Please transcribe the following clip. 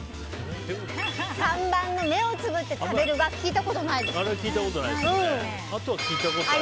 ３番の目をつぶって食べるは聞いたことないですね。